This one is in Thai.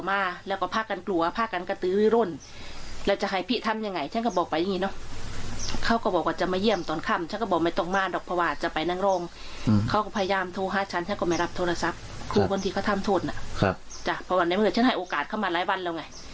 เพราะว่าในเมื่อฉันให้โอกาสเขามาหลายวันแล้วไง